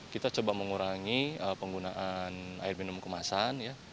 kita coba mengurangi penggunaan air minum kemasan